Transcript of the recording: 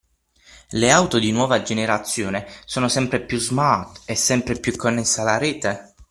Le auto di nuova generazione sono sempre più smart e sempre più connesse alla rete?